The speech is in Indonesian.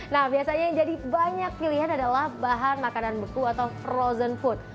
nah biasanya yang jadi banyak pilihan adalah bahan makanan beku atau frozen food